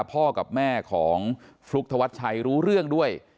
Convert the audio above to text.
พ่อกับแม่ของฟลุ๊กธวัดชัยรู้เรื่องด้วย